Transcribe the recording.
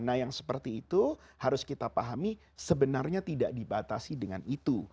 nah yang seperti itu harus kita pahami sebenarnya tidak dibatasi dengan itu